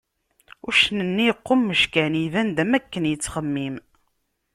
Uccen-nni yeqqummec kan, iban-d am akken yettxemmim.